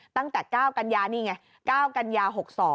ตั้งแต่๙กัญญา๖๒